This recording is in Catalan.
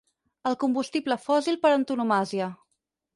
El combustible fòssil per antonomàsia.